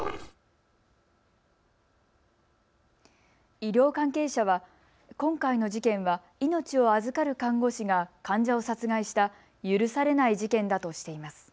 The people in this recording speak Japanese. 医療関係者は今回の事件は命を預かる看護師が患者を殺害した許されない事件だとしています。